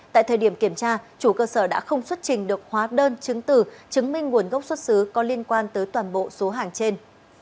tại thời điểm kiểm tra chủ cơ sở đã không xuất trình được hóa đơn chứng từ chứng minh nguồn gốc xuất xứ có liên quan tới toàn bộ số hàng trên